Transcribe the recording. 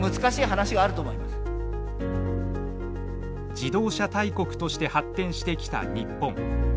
自動車大国として発展してきた日本。